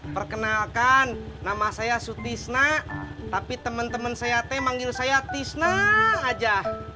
perkenalkan nama saya sutisna tapi temen temen saya teh manggil saya tisna aja